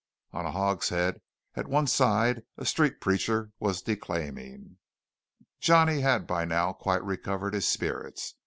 On a hogshead at one side a street preacher was declaiming. Johnny had by now quite recovered his spirits.